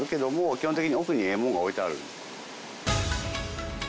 基本的に奥にええもんが置いてある。